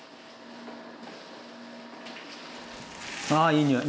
あいい匂い！